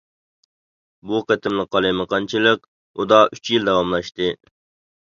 بۇ قېتىملىق قالايمىقانچىلىق ئۇدا ئۈچ يىل داۋاملاشتى.